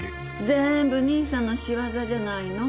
全部兄さんの仕業じゃないの？